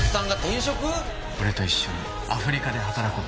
俺と一緒にアフリカで働こう。